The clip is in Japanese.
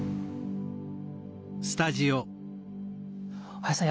林さん